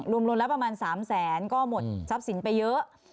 รวมแล้วประมาณ๓แสนก็หมดทรัพย์สินไปเยอะ